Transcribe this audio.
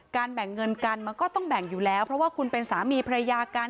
แบ่งเงินกันมันก็ต้องแบ่งอยู่แล้วเพราะว่าคุณเป็นสามีภรรยากัน